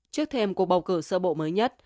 trước thêm cuộc bầu cử sợ bộ mới nhất